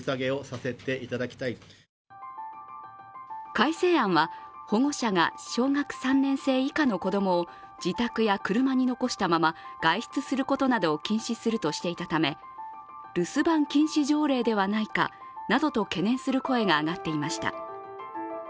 改正案は、保護者が小学３年生以下の子供を自宅や車に残したまま外出することなどを禁止するとしていたため留守番禁止条例ではないかなどと懸念する声が上がっていました。